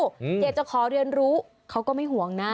เกษตรขอเรียนรู้เค้าก็ไม่ห่วงนะ